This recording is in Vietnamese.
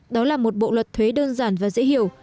đó là một bộ luật thuế đơn giản và dễ hiểu